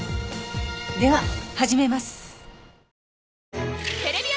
では始めます。